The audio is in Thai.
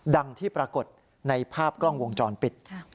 ดังที่ปรากฏในภาพกล้องวงจรปิด